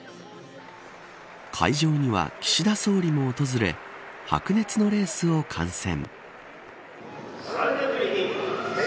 会場には岸田総理も訪れ白熱のレースを観戦。